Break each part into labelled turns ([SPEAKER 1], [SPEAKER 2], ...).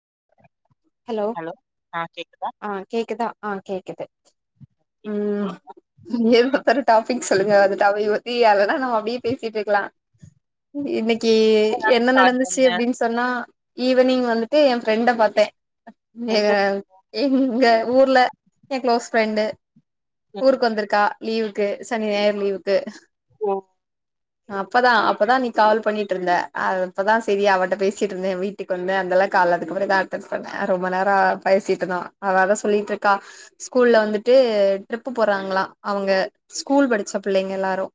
[SPEAKER 1] [inaudible]
[SPEAKER 2] Hello
[SPEAKER 1] ஆ கேக்குதா
[SPEAKER 2] ஆ கேக்குதா ஆ கேக்குது ம் எழுந்தப் போற டாபிக் சொல்லுங்க அந்த டாபிக் பத்தி அததா நம்ம அப்டியே பேசிட்டு இருக்கலாம் இன்னைக்கு
[SPEAKER 1] நீங்கதான்
[SPEAKER 2] என்ன
[SPEAKER 1] ஸ்டார்ட்
[SPEAKER 2] நடந்துச்சி
[SPEAKER 1] பண்ணுங்க
[SPEAKER 2] அப்டின் சொன்னா ஈவினிங் வந்துட்டு என் ஃப்ரெண்ட பாத்தே எற
[SPEAKER 1] எந்த
[SPEAKER 2] எங்க ஊர்ல என் குளோஸ் ஃப்ரண்டு ஊருக்கு வந்துருக்கா லீவுக்கு சனி ஞாயிறு லீவுக்கு
[SPEAKER 1] ஓ
[SPEAKER 2] அப்பதா அப்பதா நீ கால் பண்ணிட்டு இருந்த அப்பதா சரி அவட்ட பேசிட்டு இருந்தேன் வீட்டுக்கு வந்து அந்தெல்லாம் கால அதுக்கு அப்புறம் தா அடுத்த த்த நேர ரொம்ப நேரம் பேசிட்டுதா அவ அதா சொல்லிட்டு இருக்கா ஸ்கூல்ல வந்துட்டு ட்ரிப்பு போறாங்களா அவுங்க ஸ்கூல் படிச்ச பிள்ளைங்க எல்லாரும்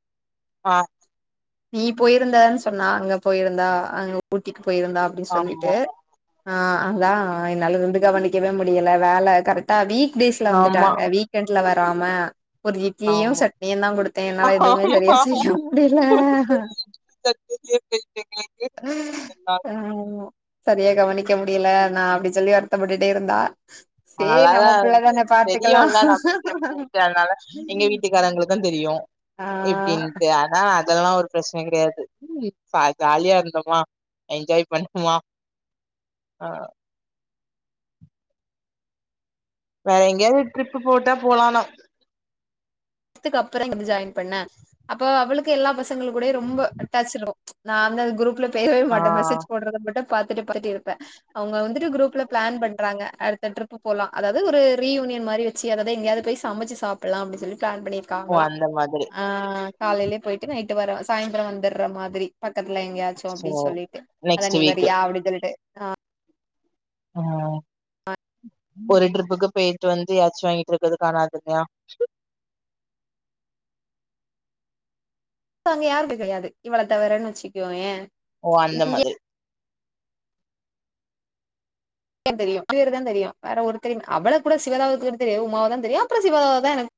[SPEAKER 1] ஆ
[SPEAKER 2] நீ போயிருந்தன் சொன்னா அங்க போயிருந்தா அங்க ஊட்டிக்கு போயிருந்தா அப்டின் சொல்லிட்டு
[SPEAKER 1] ஆமா
[SPEAKER 2] ஆ அதா ஆ நல்லது வந்து கவனிக்கவே முடியல வேல கரெட்டா வீக் டேஸ்ல
[SPEAKER 1] ஆமா
[SPEAKER 2] வந்துட்டாங்க வீக்கெண்ட்ல வற டாம ஒரு இட்லியு
[SPEAKER 1] ஆமா
[SPEAKER 2] சட்னியுந்தா குடுத்தே என்னால எதுவ்மே சரியா
[SPEAKER 1] ஆமா
[SPEAKER 2] செய்ய முடில ஹ ஆமா சரியா கவனிக்க முடியல நா சொல்லி வருத்தப்பட்டுட்டே இருந்தா
[SPEAKER 1] அ
[SPEAKER 2] சேரி
[SPEAKER 1] நல்லாதா
[SPEAKER 2] நம்ம
[SPEAKER 1] இருந்து
[SPEAKER 2] பிள்ளதான பாத்துக்கலா
[SPEAKER 1] தெரியுல்ல நம்மளுக்கு எப்டின்ட்டு அதுனால எங்க வீட்டுக்காரங்களுக்கு தெரியு
[SPEAKER 2] ஆ
[SPEAKER 1] எப்டின்ட்டு ஆனால அ தெல்லா ஒரு பிரச்சன கெடயாது சா ஜாலியா இருந்தோமா என்ஜாய் பண்ணுமா ஆ வேற எங்யாது ட்ரிப்பு போட்டா போலானா
[SPEAKER 2] த்துக்கு அப்பற‌ இங் வந்து ஜாய்ன் பண்ண அப்ப அவளுக்கு எல்லா பசங்கள் கூடயு ரொம்ப அட்டாச்சிருக்கு நா அந்த குரூப்ல பேசவே
[SPEAKER 1] ஆ
[SPEAKER 2] மாட்டே மெசேஜ் போட்றது மட்டு பாத்துட்டு பாத்துட்டு இருப்பே அவுங்க வந்துட்டு குரூப்ல ப்ளான் பண்றாங்க அடுத்த ட்ரிப் பு போலா அதாவ்து ஒரு ரீயூனியன் மாரி வச்சு அத வ்து எங்கயாது போய் சமச்சு சாப்புல்லா அப்டி சொல்லி பிளான்
[SPEAKER 1] ஓ
[SPEAKER 2] பண்ணிருக்காங்களா
[SPEAKER 1] அந்த மாதிரி
[SPEAKER 2] ஆ காலைலே போய்ட்டு நைட்டு வர சாயந்திர வந்துர்ற மாதிரி பக் கத்துல எங்கயாச்சு
[SPEAKER 1] சோ
[SPEAKER 2] அப்டி சொல்லிட்டு அதா
[SPEAKER 1] நெக்ஸ்ட்
[SPEAKER 2] நீ
[SPEAKER 1] வீக்
[SPEAKER 2] வரியா அப்டி சொல்ட்டு ஆ
[SPEAKER 1] ம் ஒரு ட்ரிப்புக்கு பேயிட்டு வந்து ஏச்சு வாங்கிட்ருக்கது காணாதுல்லயா
[SPEAKER 2] அங்க யாருக்கு கடையாது இவள தவிரன் வச்சுக்கோயே
[SPEAKER 1] ஓ அந்த
[SPEAKER 2] இங்க
[SPEAKER 1] மாதிரி
[SPEAKER 2] பேர் தெரியு பேரு தா தெரியு வேற ஒருத்தரையு அவ்வள கூட சிவதாவ குட தெரியு உமாவதா தெரியு அப்ற சிவதாவ தா எனக்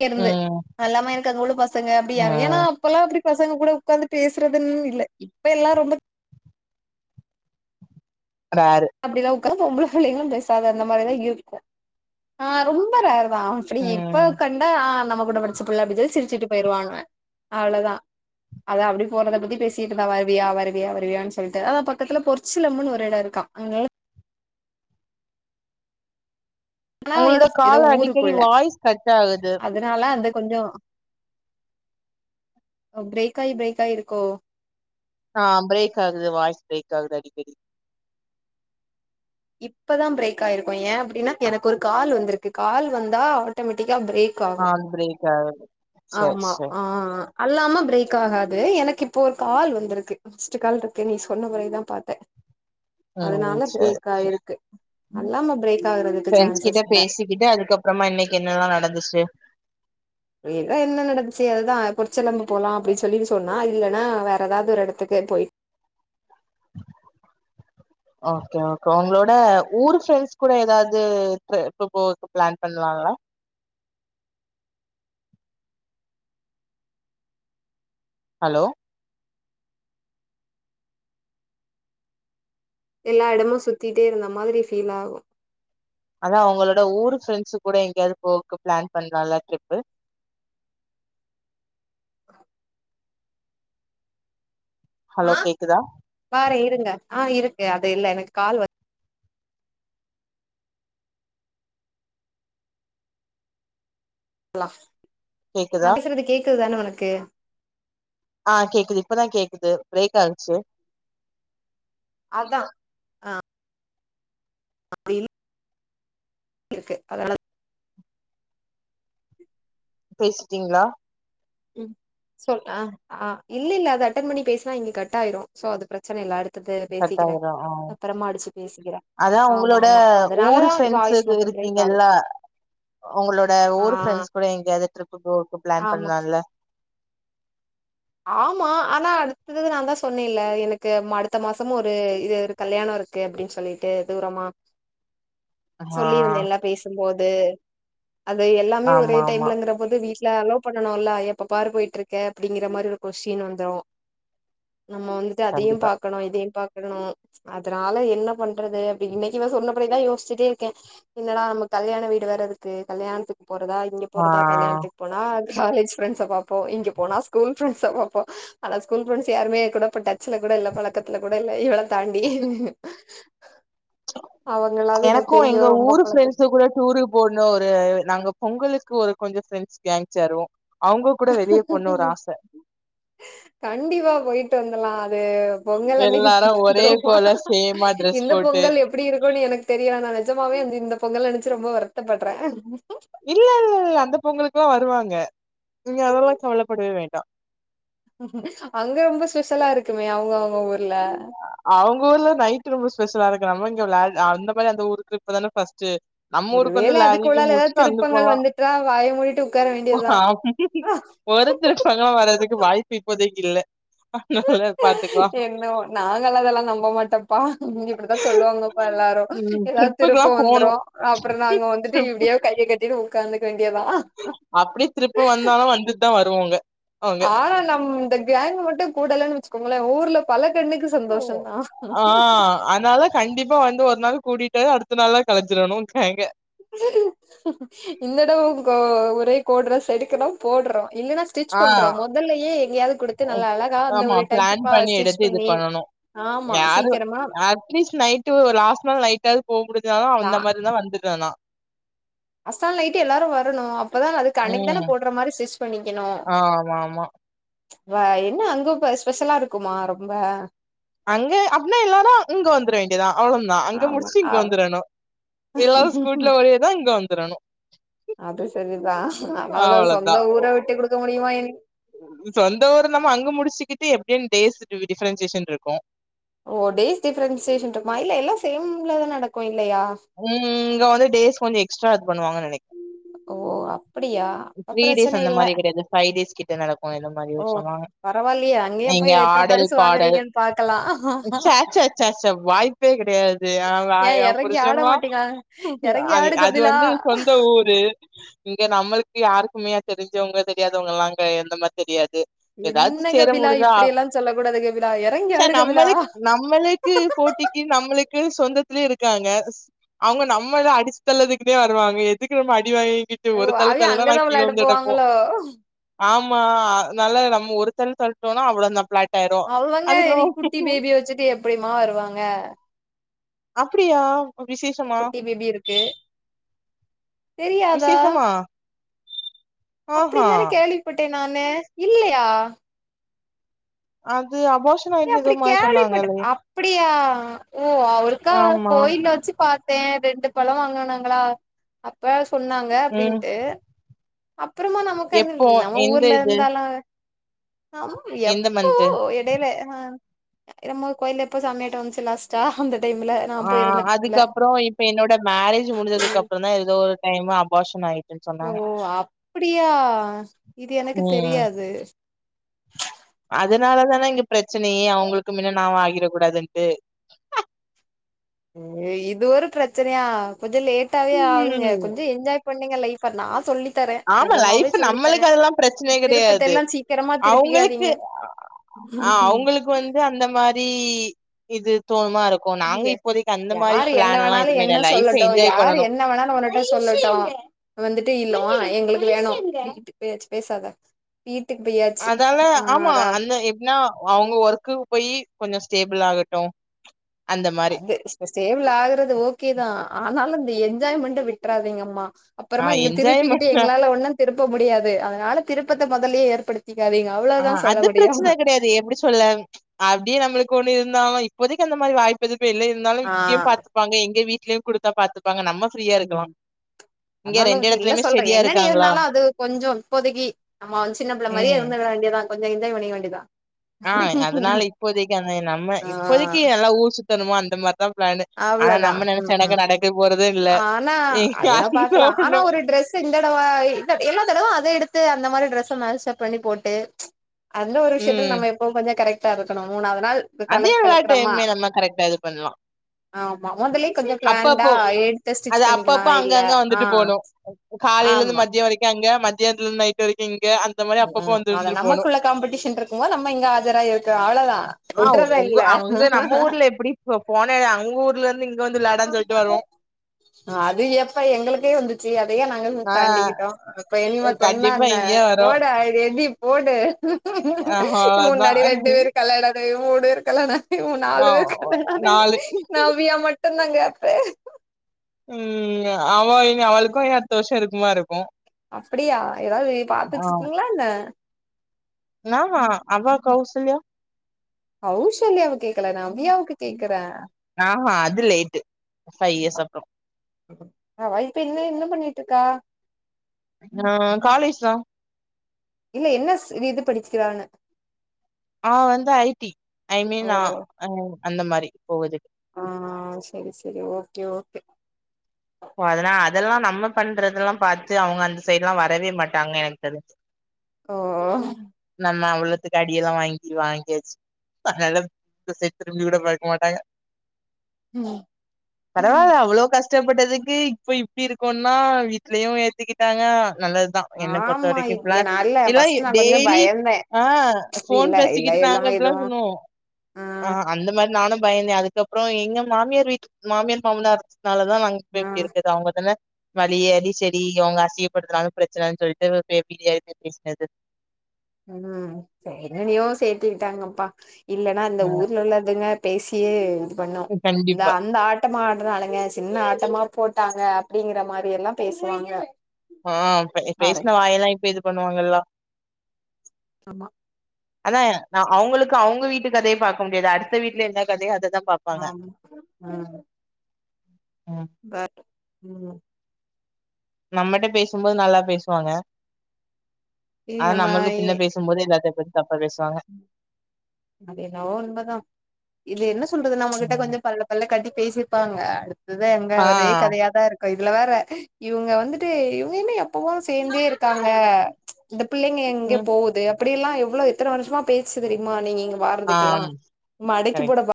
[SPEAKER 2] கெருந்து
[SPEAKER 1] ம்
[SPEAKER 2] அல்லாம எனக்கு அங்க உள்ள பசங்க அப்டி யாரு ஏனா
[SPEAKER 1] ம்
[SPEAKER 2] அப்பல்லா அப்டி பசங்க கூட உக்காந்து பேசுறதுன் இல்ல இப்ப எல்லா ரொம்ப
[SPEAKER 1] நாரு
[SPEAKER 2] க்காந்து ஒம்புள புள்ளைங்களா பேசாது அந்த மாரிதா இருக்கு ஆ ரொம்ப ரே ரா அப்டி இப்ப
[SPEAKER 1] ம்
[SPEAKER 2] கண்டா ஆ நம்ம கூட படுச்ச புள்ள அப்டி சொல்லி சிரிச்சுட்டு போயிருவாங்க அவ்ள தா அத அப்டி போறத பத்தி பேசிட்ருந்தா வருவியா வருவியா வருவியான் சொல்ட்டு ஆ பக்கத்துல பொற்ச்சிலம்புன் ஒரு எட இருக்கா அங்க ஆனா
[SPEAKER 1] உங்களோட
[SPEAKER 2] ஏதோ ஏதோ
[SPEAKER 1] கால்ல அடிக்கடி
[SPEAKER 2] ஊருக்குள்ள
[SPEAKER 1] வாய்ஸ் கட் ஆகுது
[SPEAKER 2] அதனால அது கொஞ்சோ ஒ பிரேக் ஆயி பிரேக் ஆயி இருக்கோ
[SPEAKER 1] ஆ பிரேக் ஆகுது வாய்ஸ் பிரேக் ஆகுது அடி க்கடி
[SPEAKER 2] இப்பதா பிரேக் ஆயிருக்கு ஏ‌ அப்டின்னா எனக்கொரு கால் வந்துருக்கு கால் வந்தா ஆட்டோமெட்டிக் கா பிரேக் ஆகு
[SPEAKER 1] ஆ பிரேக் ஆகுது சரி
[SPEAKER 2] ஆமா
[SPEAKER 1] சரி
[SPEAKER 2] ஆ அல்லாம பிரேக் ஆகாது எனக்கு இப்ப ஒரு கால் வந்துருக்கு மிஸ்ட்டு கால்ருக்கு நீ சொன்ன பிறகு தா பாத்தே
[SPEAKER 1] ம்
[SPEAKER 2] அதனால
[SPEAKER 1] சேரி
[SPEAKER 2] பிரேக் ஆயிருக்கு
[SPEAKER 1] ம்
[SPEAKER 2] அல்லாம பிரேக் ஆகுறதுக்கு
[SPEAKER 1] ஃப்ரெண்ட்ஸ் கிட்ட
[SPEAKER 2] சான்சஸ் இல்ல
[SPEAKER 1] பேசிக்கிட்டு அதுக்கப்புறமா இன்னைக்கு என்னெல்லா நடந்துச்சு
[SPEAKER 2] வேணுணா என்ன நடந்துச்சு அதுதா பொற்சிலம்பு போலா அப்படின்னு சொல்லி சொன்னா இல்லைன்னா வேற ஏதாவது ஒரு இடத்துக்கு போயி
[SPEAKER 1] ஓகே ஓகே உங்களோட ஊர் ஃப்ரெண்ட்ஸ் கூட ஏதாவது ட்ரிப் போறதுக்கு பிளான் பண்ணுவாங்கள ஹலோ
[SPEAKER 2] எல்லா இடமு சுத்திட்டே இருந்த மாரி ஃபீல் ஆகு
[SPEAKER 1] அதா உங்களோட ஊரு ஃப்ரெண்ட்ஸ்ஸு கூட எங்கேயாவது போக்கு பிளான் பண்றாங்களா ட்ரிப்பு
[SPEAKER 2] ஆஹ் ஆ
[SPEAKER 1] ஹலோ கேக்குதா
[SPEAKER 2] பாரே இருங்க ஆ இருக்கு அது இல்ல எனக்கு கால் வ [unintelligible]
[SPEAKER 1] கேக்குதா
[SPEAKER 2] நா பேசுறது சொல்றது கேக் குது தானே உனக்கு
[SPEAKER 1] ஆ கேக்குது இப்பதா கேக்குது பிரேக் ஆச்சு
[SPEAKER 2] அதா ஆ அதில் இருக்கு அதன
[SPEAKER 1] பேசிட்டீங்களா
[SPEAKER 2] ம் சே ஆ ஆ இல்ல இல்ல அது அட்டன் பண்ணி பேசினா இங்க கட் ஆயிரும் சோ அது பிரச்சன இல்ல அதுக்
[SPEAKER 1] கட்டாரு ம் ஆ
[SPEAKER 2] பேசிக்கிறே
[SPEAKER 1] அதா
[SPEAKER 2] ஆமா
[SPEAKER 1] உங்களோட
[SPEAKER 2] ஆமா
[SPEAKER 1] ஊரு
[SPEAKER 2] அதனாலதா
[SPEAKER 1] ஃப்ரெண்ட்ஸு
[SPEAKER 2] வாய்ஸ் மட்டு பிரேக்
[SPEAKER 1] இருக்கீங்கள
[SPEAKER 2] ஆகுது
[SPEAKER 1] உங்களோட
[SPEAKER 2] ஆ
[SPEAKER 1] ஊர் ஃப்ரெண்ட்ஸ் கூட எங்கையாவது ட்ரிப்பு போறகு பிளான்
[SPEAKER 2] ஆமா
[SPEAKER 1] பண்ணலாம்ல
[SPEAKER 2] ஆமா ஆனா அடுத்தது நா தா சொன்னேல்ல எனக்கு அடுத்த மாசமு ஒரு இது ஒரு கல்யாணம் இருக்கு அப்படின்னு சொல்லிட்டு தூரமா
[SPEAKER 1] ஆ
[SPEAKER 2] சொல்லியிருந்தே எல்லா பேசும்போது து அது எல்லாமே ஒரே
[SPEAKER 1] ஆமா ஆமா
[SPEAKER 2] டைம்லங்கிற போது வீ ட்ல அலோ பண்ணனு இல்ல எப்ப பாரு போயிட்டு இருக்க அப்படிங்கிற மாரி [unintelligible] கொஸ்டின் வந்துரு நம்ம வந்துட்டு அதையும்
[SPEAKER 1] கண்டிப்பா
[SPEAKER 2] பாகணு இதையும் பா க்கணும் அதனால என்ன பண்றது அப்படி இன்னைக்கு வ சொன்னபடிதா யோசிச்சுட்டே இருக்கே என்னடா நம்ம கல்யாணம் வீடு வரதுக்கு கல்யாணத்துக் போறதா இங்க
[SPEAKER 1] ஆ
[SPEAKER 2] போறதா கல்யாத்துக்கு போனா காலேஜ் பிரப்ண்ட்ஸ் பாப்போ இங்க போன ஸ்கூல் பிரண்ட்ஸ பாப்போ ஆனா ஸ்கூல் ஃப்ரெண்டஸ் யாருமே எ கூட இப்ப டச்சல கூட இல்ல பக்கத்துல கூட இல்ல இவ்வள தாண்டி அவங்களாவது
[SPEAKER 1] எனக்கு
[SPEAKER 2] தெரியு
[SPEAKER 1] எங்க
[SPEAKER 2] ரொம்ப
[SPEAKER 1] ஊரு ஃப்ரெண்ட்ஸ கூட டூரு போடணு ஒரு நாங்க பொங்கலுக் க்கு ஒரு கொஞ்சோ ஃப்ரெண்ட்ஸ் காங் சேருவோ அவங்க கூட வெளிய போட்ணு ஒரு ஆச
[SPEAKER 2] கண்டிப்பா போயிட்டு வந்துலா கு பொங்கல் அன்னிக்கு
[SPEAKER 1] எல்லாரு
[SPEAKER 2] போயிட்டு
[SPEAKER 1] ஒரே
[SPEAKER 2] வந்துருமா
[SPEAKER 1] போல சேமா ட்ரெஸ்
[SPEAKER 2] இந்த
[SPEAKER 1] போட்டு
[SPEAKER 2] பொங்கல் எப்பிடி இருக்குன் எனக் தெரியானா நெஜமாவே வந்து இந்த பொங்கல் நெனைச்சி ரொம்ப வருத்தப்படறே
[SPEAKER 1] இல்ல இல்ல இல்ல அந்த பொங்கலுக்கெல்லா வருவாங்க ங்க அதெல்லா கவலப்பட வேண்டா
[SPEAKER 2] அங்க ரொம்ப ஸ்பெஷலா இருக்குமே அவுங்க அவுங்க ஒ
[SPEAKER 1] அவுங்க ஊர்ல நைட் ரொம்ப ஸ்பெஷலா இரு க்கு நம்ம இங்க விளா அந்தமாரி அந்த ஊருக்கு இப்பதான பஸ்ட் நம்ம
[SPEAKER 2] ஒரு
[SPEAKER 1] ஊருக்கு
[SPEAKER 2] வேள
[SPEAKER 1] வந்து லாரிக்கு
[SPEAKER 2] அதுக்குள்ளால ஏதாவது
[SPEAKER 1] முடிச்சிட்டு அந்து
[SPEAKER 2] திருப்பங்கள்
[SPEAKER 1] போலா
[SPEAKER 2] வந்துட்டா வாய மூடிட்டு உக்கார வேண்டியதுதா.
[SPEAKER 1] ஒருத்தரு சங்க வரதுக்கு வாய்ப்பு இப்போதைக்கு இல்ல ஆ நல்ல பாத்துக்குவா
[SPEAKER 2] நோ நாங்கல்லா அதெல்லா நம்ப மாட்டோப்பா இப்பிடித்தா சொல்லுவாங்கப்பா எல்லாரு
[SPEAKER 1] ம்
[SPEAKER 2] ஏதாவ
[SPEAKER 1] ட்ரிப்புக்குல்லா
[SPEAKER 2] திருப்போ
[SPEAKER 1] போணு
[SPEAKER 2] வந்துரு அப்புறோ நாங்க வந்துட்டு இப்பிடியே கைய கட்டிட்டு உக்காந்துக்வே
[SPEAKER 1] அப்பிடியே திருப்ப வந்தாலு வந்துட்டுதா வருவோங்க அவங்க
[SPEAKER 2] ஆனா நம் கேங் மட்டு கூடலன்னு வச்சிக்கோங்களே ஊர்ல பல கண்ணுக்கு சந்தோஷந்தா
[SPEAKER 1] ஆ அனால கண்டிப்பா வந்து ஒரு நாள் கூட்டிட் ட்டு அடுத்த நாள்ளா கலச்சிரணுன்டாய்ங்க
[SPEAKER 2] இந்தட ஊ கோ ஒரே கோடரா செதுக்கனு போடுறோ இல்லன்னா ஸ்டிச்
[SPEAKER 1] ஆ
[SPEAKER 2] பண்றோ மொதல்லயே எங்கேயாவது குடுத்து நல்லா அழகா அந்த
[SPEAKER 1] ஆமா
[SPEAKER 2] ஒரு
[SPEAKER 1] பிளான்
[SPEAKER 2] டைப்பா
[SPEAKER 1] பண்ணி
[SPEAKER 2] ஸ்டிச்
[SPEAKER 1] எடுத்து இது
[SPEAKER 2] பண்ணி
[SPEAKER 1] பண்ணனு
[SPEAKER 2] ஆமா
[SPEAKER 1] யாரு
[SPEAKER 2] சீக்கிரமா
[SPEAKER 1] அட்லீஸ்ட் நைட்டு லாஸ்ட் நாள் நைடாவதுபோ முடிசாலு அந்த மாரிதா வந்து து ஆனா
[SPEAKER 2] அசால் நைட்டு எல்லாரு வருனு அப்பதா அது அன்னிக்கு தான போடற மாரி சிடிச்
[SPEAKER 1] ஆ ஆமா ஆமா
[SPEAKER 2] வே என்ன அங்கு உக் ஸ்பெஷலா இருக்குமா ரொம்ப
[SPEAKER 1] அங்க அப்புன்னா எல்லாரு இங்க வந்தர வேண்டியதா அவ்வளந்தா அங்க
[SPEAKER 2] ஆமா
[SPEAKER 1] முடிச்சிட்டு
[SPEAKER 2] ஆ
[SPEAKER 1] இங்க வந்தரணு எல்லாரு ஸ்கூட்ல ஒரேதா இங்க வந் ந்தரனு
[SPEAKER 2] அது சரிதா ஆனாலு
[SPEAKER 1] அவ்ளதா
[SPEAKER 2] சொந்த ஊர விட்டு குடுக்க முடியுமா என்ன
[SPEAKER 1] சொந்த உரு நம்ம அங்க முடிச்சிக்கிட்டு எப் பிடீன் டேய்ஸு டிஃபரன்சேஷன் இருக்கு
[SPEAKER 2] ஓ டேஸ் டிஃபெரன்சேஷன் இருக்குமா இல்ல எல்லா சேம்ல்லதா நடக்கு இ
[SPEAKER 1] ம் இங்க வந்து டேஸ் கொஞ்சோ எஸ்ட்ராது பண்ணுவாங்கனு நனைக்
[SPEAKER 2] ஓ அப்படியா அப்ப
[SPEAKER 1] த்ரீ டேய்ஸ்
[SPEAKER 2] பிரச்சன
[SPEAKER 1] அந்த
[SPEAKER 2] இல்ல
[SPEAKER 1] மாரி கிடயாது ஃபைவ் டேஸ் கிட்ட நடக்கு இந்த மாரி
[SPEAKER 2] ஓ
[SPEAKER 1] சொல்வாங்க
[SPEAKER 2] பரவாயில்லையே அங்கேயு
[SPEAKER 1] இங்க
[SPEAKER 2] போய் எத்தன
[SPEAKER 1] ஆடல்
[SPEAKER 2] பரிசு
[SPEAKER 1] பாடல்
[SPEAKER 2] வாங்குறீங்கன்னு பாக்கலா
[SPEAKER 1] சச்ச சச்ச சச்ச வாய்ப்பே கெடயாது
[SPEAKER 2] ஏ எறங்கி
[SPEAKER 1] [unintelligible]
[SPEAKER 2] ஆட
[SPEAKER 1] [unintelligible]
[SPEAKER 2] மாட்டீங்களா எறங்கி
[SPEAKER 1] அது
[SPEAKER 2] ஆடு
[SPEAKER 1] அது
[SPEAKER 2] கபிலா
[SPEAKER 1] வந்து சொந்த ஊரு இங்க நம்மள்க்கு யாருக்குமேயா தெரிஞ்சவங்க தெரியாதவங்க எல்லா எந்த மாரி தெரியாது ஏதாது
[SPEAKER 2] என்ன
[SPEAKER 1] சேர
[SPEAKER 2] கபிலா
[SPEAKER 1] முடிஞ்சா
[SPEAKER 2] இப்படி எல்லா சொல்ல கூடாது கபிலா எறங்கி ஆடு
[SPEAKER 1] சேர்
[SPEAKER 2] கபிலா
[SPEAKER 1] நம்மளுக் நம்மளுக்கு போட்டிக்கு நம்மளுக்கு கு சொந்தத்லயே இருக்காங்க அவங்க நம்மதா அடிச்சு தள்ளதுக்குனே வருவாங்க எதுக்கு நம்ம அடி டி வாங்கிகிட்டு
[SPEAKER 2] ஓ
[SPEAKER 1] ஒரு தள்
[SPEAKER 2] அவிய
[SPEAKER 1] தல்னா நா
[SPEAKER 2] அங்கதா
[SPEAKER 1] கீழ
[SPEAKER 2] விளையாட
[SPEAKER 1] விழுந்துகடப்போ
[SPEAKER 2] போவாங்களோ
[SPEAKER 1] ஆமா னால நம்ம ஒரு தள் தள்டோனா அவ்ளோ தா ஃப்ளாட்
[SPEAKER 2] அவங்க எலிக்கு குட்டி பேபிய வச்சுட்டு எப்டிமா வருவாங்க
[SPEAKER 1] அப்டியா
[SPEAKER 2] குட்டி பேபி இருக்கு தெரியாதா
[SPEAKER 1] விசேஷமா ஆஹா
[SPEAKER 2] அப்டின் தானே கேள்விப்பட்டே நானு இல்லயா
[SPEAKER 1] ஆது
[SPEAKER 2] அப்டி கேள்விபட்டு அப்டியா ஓ ஒருக்கா
[SPEAKER 1] ஆமா
[SPEAKER 2] கோயில் வச்சு பாத் தே ரெண்டு பழம் வாங்கனாங்களா அப்ப சொன்னாங்க
[SPEAKER 1] ம்
[SPEAKER 2] அப்டின்ட்டு அப்றமா நமக்கது
[SPEAKER 1] எப்போ
[SPEAKER 2] நம்ம
[SPEAKER 1] எந்த
[SPEAKER 2] ஊர்ல
[SPEAKER 1] இது
[SPEAKER 2] இருந்தால ஆம்
[SPEAKER 1] எந்த
[SPEAKER 2] எப்பவோ
[SPEAKER 1] மந்த்து
[SPEAKER 2] இடையில என்னமோ கோவில்ல எப்போ சாமியாட்டோ வஞ்ச்சு லாஸ்ட்டா அந்த டைம்ல நா
[SPEAKER 1] ஆ
[SPEAKER 2] போய் இருந்த டைம்ல
[SPEAKER 1] அதுக்கப்பறோ இப்ப என்னோட மேரேஜ் முடிஞ்சதுக்கு அப்றோ தா ஏதோ ஒரு டைமு அபாஷன் ஆய்
[SPEAKER 2] ஓ அப்டியா இது எனக்கு
[SPEAKER 1] ம்
[SPEAKER 2] தெரியாது
[SPEAKER 1] அதுனால தான இங்கப் ப்ரச்சனயே அவங்ளுக்கு மின்ன நா வாங்கி [unintelligible] கூடாதுன்ட்டு
[SPEAKER 2] ஏ இது ஒரு பிரச்சனயா கொஞ்சோ லேட்டாவே ஆகுங்க
[SPEAKER 1] ம்
[SPEAKER 2] கொஞ்சோ என்ஜாய் பண்ணுங்க லைஃப்ப நா சொல்லி தரேன்
[SPEAKER 1] ஆமா
[SPEAKER 2] நிஜமாவே
[SPEAKER 1] லைஃப்
[SPEAKER 2] சொல்லித்தரே
[SPEAKER 1] நம்மளுக்கு அதெல்லாம் பிரச்சனையே கிடையாது
[SPEAKER 2] திருப்பத்தெல்லா சீக்கிரமா
[SPEAKER 1] அவங்களுக்கு
[SPEAKER 2] திருப்பிக்காதீங்க
[SPEAKER 1] ஆ அவுங்களுக்கு வந்து அந்த மாரி இது தோ மா இருக்கு நாங்க இப்போதைக்கி அந்த மாரி
[SPEAKER 2] யாரு என்ன
[SPEAKER 1] பிளான்லா
[SPEAKER 2] வேணாலு
[SPEAKER 1] எதுமே இல்ல
[SPEAKER 2] என்ன
[SPEAKER 1] லைஃப
[SPEAKER 2] சொல்லட்டு
[SPEAKER 1] என்ஜாய்
[SPEAKER 2] யாரு
[SPEAKER 1] பண்ணனு
[SPEAKER 2] என்ன வேண்ணாலு உன்னட்ட சொல்லட்டு வந்துட்டு இ ல்லோ எங்களுக்கு வேணு வீ
[SPEAKER 1] அதால ஆமா அந்த எப்டினா அவுங்க ஒர்க்குக்கு போயி கொஞ்ச ஸ்டேபிள் ஆகட்டு அந்த மாரி
[SPEAKER 2] அது ஸ் ஸ் ஸ்டேபிள் ஆகறது ஓகேதா ஆனாலு இது என்ஜாய்மெண்ட விட்றாதீங்கம்மா
[SPEAKER 1] ஆ
[SPEAKER 2] அப்பறமா இங்க திருப்பிக்கிட்டு
[SPEAKER 1] என்ஜாய்மெண்ட்
[SPEAKER 2] எங்களால ஒன்னு திரு ப்போ முடியாது அதனால திருப்பத்த மொதல்லயே ஏற்படு
[SPEAKER 1] ஆ அது பிரச்சன கெடையாது எப்டி சொல்ல அப்டியே நம்மளுக்கு ஒண்ணு னாலு இப்போதைக்கி அந்த மாரி வாய்ப்பு எது ப்ப இல்ல இருந்தாலு
[SPEAKER 2] ஆ
[SPEAKER 1] இங்கயு பாத்துப்பாங்க எங்க வீ ட்லயு குடுத்தா பாத்து
[SPEAKER 2] ம்
[SPEAKER 1] இங்க
[SPEAKER 2] அதனால
[SPEAKER 1] ரெண்டு
[SPEAKER 2] செரி இல்ல
[SPEAKER 1] எடத்துலயுமே
[SPEAKER 2] சொல்றே
[SPEAKER 1] ஸ்டெடியா
[SPEAKER 2] என்னனு
[SPEAKER 1] இருக்காங்களா
[SPEAKER 2] இருந்தாலு அது கொஞ்சோ இப்போதைக்கி நம்மோ வந்து சின்ன பிள்ள மாரியே
[SPEAKER 1] ம்
[SPEAKER 2] இருந்துட வேண்டியதுதா கொஞ்சோ என்ஜாய் பண்ணிக்க வேண்டியதுதா
[SPEAKER 1] ஆ அதனால இப்போதைக்கி அந்த நம்ம
[SPEAKER 2] ஆ
[SPEAKER 1] இப்போதைக்கி நல்லா ஊர் சுத் தனுமோ அந்த மாரி அதா ப்ளானு ஆனா
[SPEAKER 2] அவ்ளதா
[SPEAKER 1] நம்ம நெனச்சோன்னாக்கா நடக்கவே போறது இல்ல.
[SPEAKER 2] ஆனா அதென்னவோ
[SPEAKER 1] அந்த
[SPEAKER 2] பாக்கலா ஆனா
[SPEAKER 1] ஒண்ணும்
[SPEAKER 2] ஒரு டிரெஸ்ஸு இந்தடவ இ இல்ல எல்லா தடவ அதே எடுத்து அந்த மாரி டிரெஸ் ஸ மேச்சப் பண்ணி போட்டு அந்த ஒரு விஷ்யத்துல
[SPEAKER 1] ம்.
[SPEAKER 2] நம்ம எப்பவு கொஞ்ச கரெக்ட் டா இருக்கணு மூணாவது நாள்
[SPEAKER 1] அது
[SPEAKER 2] கலக்
[SPEAKER 1] எல்லா
[SPEAKER 2] கலக்குறமா
[SPEAKER 1] டைமுமே நம்ம கரெக்டா இது பண்லா
[SPEAKER 2] ஆமா மொதல்லயே கொஞ்சோ பிளாண்டா எ
[SPEAKER 1] அது அப்பப்போ அங்க அங்க வந்துட்டு போகணு காலைல இர்ந்து
[SPEAKER 2] ஆமா
[SPEAKER 1] மத்யோ வரைக்கு அங்க மத்யானத்திலிர்ந்து நைட்டு வரைக்கு இங்
[SPEAKER 2] ம் ம் அதா‌ நமக்குள்ள காம்படிஷன்ருக்கும்மோ நம்ம இங்க ஆஜராயிருக்கனு அவ்ளதா
[SPEAKER 1] ஆ
[SPEAKER 2] உட்றதா
[SPEAKER 1] உங்க
[SPEAKER 2] இல்ல
[SPEAKER 1] அங்க நம்ம ஊர்ல எப்புடி போன அங் ஊர்லந்து இங்
[SPEAKER 2] அது எப்ப எங்களுக்கே வந்துச்சு அ தயே நாங்க
[SPEAKER 1] ஆ
[SPEAKER 2] தாண்டிக்கிட்டோ இப்ப என்ன சொன்னா
[SPEAKER 1] கண்டிப்பா
[SPEAKER 2] என்ன
[SPEAKER 1] இங்கேயும் வரும்.
[SPEAKER 2] போடு அ ரெடி போடு
[SPEAKER 1] ஆ அவ்ளோதான்.
[SPEAKER 2] முன்னாடி ரெண்டு பேரு கல்யாண டையோடு இருக்கலானா இவுங்
[SPEAKER 1] ஆ
[SPEAKER 2] நாலு வேர்க்கு கல்யாண ஆன நவ்யா மட் டு நாங்கேப்பே
[SPEAKER 1] ம் ஆமா இனி அவளுக்கு இ அட்த்த வர்ஷ இருக்குமா இருக்கு
[SPEAKER 2] அப்புடியா எதாவுது பாத்து வச்சிருக்கீங்களா என்ன
[SPEAKER 1] நா ஹா அவ கௌசல்யா
[SPEAKER 2] கௌசல்யாவ கேக்கல நா அவ்வியாவுக்கு கேக்குறே
[SPEAKER 1] ஆஹ் அது லேட்டு ஃபை இயர்ஸ் அப்றொ
[SPEAKER 2] அவா இப்ப என்ன என்ன பண்ணிட்ருக்கா?
[SPEAKER 1] ஆ காலேஜ் தா
[SPEAKER 2] இல்ல என்னஸ் இது படிக்கிறான்னு
[SPEAKER 1] அவ வந்து ஐ டி ஐ மீன் ஆ அந்த மாரி போவுது
[SPEAKER 2] ம்‌ செரி செரி ஓகே ஓகே
[SPEAKER 1] ஓ அதனா அதல்லா நம்ம பண்றதுல்லா பாத்து அவுங்க அந்த சைட்லா வரவே மாட்டாங்க எனக்கு தெரிஞ்சு
[SPEAKER 2] ஓ
[SPEAKER 1] அன்னா அவ்ளத்துக்கு அடியெல்லா வாங்கி வாங்கியாச்சு அனால இந்த சைட் திரும்பி கூட பாக்க மாட்டாங்க
[SPEAKER 2] ம்
[SPEAKER 1] பரவால்ல அவ்ளோ கஷ் டப்பட்டது க்கு இப்ப இப்டி இருக்கோன்னா வீட்லயு ஏத்துக்கிட்டாங்க நல்லதுதா என்ன பொறுத்த
[SPEAKER 2] ஆமா
[SPEAKER 1] வரைக்கு இப்புலா
[SPEAKER 2] இது நல்ல
[SPEAKER 1] எல்லா
[SPEAKER 2] ஃபர்ஸ்ட் நா கொஞ்சோ
[SPEAKER 1] டெய்லி
[SPEAKER 2] பயந்தே
[SPEAKER 1] ஆ ஃபோன்
[SPEAKER 2] இல்ல இல்ல
[SPEAKER 1] பேசிக்கிட்டு நாங்க
[SPEAKER 2] எல்லாமே
[SPEAKER 1] இப்புல்லா
[SPEAKER 2] எதுவு
[SPEAKER 1] சொன்னோ ஆ அந்த மாரி நானு பயந்தே அதுக்கப்றோ எங்க மாமியார் வீட் மாமியார் மாமனார்னால தா இப்ப
[SPEAKER 2] ஆ
[SPEAKER 1] இப்டி இருக்கது அவுங்க தானே வழியேரி சேரி அவுங்க அசிங்கப்படுத்துனாலு பிரச்சன இல்ல சொல்ட்டு [unintelligible] பேசுனது
[SPEAKER 2] ம் சே என்னியோ சேத்துக்கிட்டாங்கப்பா இல்லன்னா இந்த
[SPEAKER 1] ம்
[SPEAKER 2] ஊர்ல உள்ளதுங்க பேசியே பண்ணு இந்த
[SPEAKER 1] கண்டிப்பா
[SPEAKER 2] அந்த ஆட்டமா ஆட்ட அளங்கன்ஸ் சின்ன ஆட்டமா போட்டாங்க அப்பிடிங்கற மாரி எல்லா பேசுவாங்க
[SPEAKER 1] ஆ இப்ப பே
[SPEAKER 2] பாரு
[SPEAKER 1] பேசின வாய எல்லா இப்ப இது பண்ணுவாங்கல்லா
[SPEAKER 2] ஆமா
[SPEAKER 1] அதா அ அவுங்களுக்கு அவுங்க வீட்டு கதைய பாக்க முடியாது அடுத்த வீட்ல என்ன கதையோ அது
[SPEAKER 2] ஆம் ம்
[SPEAKER 1] ம்
[SPEAKER 2] பர் ம்
[SPEAKER 1] நம்மட்ட பேசும்போது நல்லா பேசுவாங்க
[SPEAKER 2] இது
[SPEAKER 1] ஆ
[SPEAKER 2] நம்ம
[SPEAKER 1] நம்மளுக்கு பின்ன பேசும்போது எதாது [unintelligible]
[SPEAKER 2] அது என்னவோ உண்மதா இது என்ன சொல்றது நம்மகிட்ட
[SPEAKER 1] ம்
[SPEAKER 2] கொஞ்ச பல்ல பல்ல காட்டி பேசிப்பாங்க அடு இதுதா எங்க
[SPEAKER 1] ஆ
[SPEAKER 2] ஒரே கதையாதா இருக் ப்ப இதுல வேற இவுங்க வந்துட்டு இவுங்க என்ன எப்பவு சேந்தே இருக்காங்க இந்த பிள்ளைங்க எங்கே
[SPEAKER 1] ம்
[SPEAKER 2] போவுது இப்பிடில்லா எவ்ளோ இத்தன வருஷமா பேச்சி தெரியுமா நீங்க இங்க வாரதுக்கெல்லா
[SPEAKER 1] ஆம்
[SPEAKER 2] மடக்கி
[SPEAKER 1] கரெக்ட்
[SPEAKER 2] போட பா